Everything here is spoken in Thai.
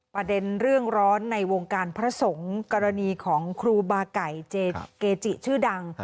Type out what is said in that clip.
ประเด็นเรื่องร้อนในวงการพระสงฆ์กรณีของครูบาไก่เกจิชื่อดัง